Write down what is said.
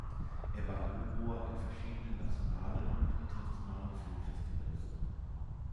Er war Juror in verschiedenen nationalen und internationalen Filmfestivals.